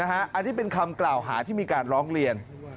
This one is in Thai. อันนี้เป็นคำกล่าวหาที่มีการร้องเรียน